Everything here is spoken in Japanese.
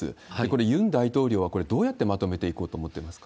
これ、ユン大統領はこれ、どうやってまとめていこうと思ってます